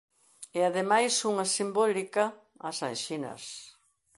E ademais unha simbólica, as anxinas.